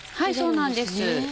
はいそうなんです。